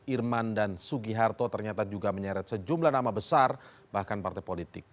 irman dan sugiharto ternyata juga menyeret sejumlah nama besar bahkan partai politik